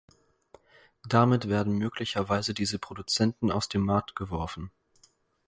Damit werden möglicherweise diese Produzenten aus dem Markt geworfen.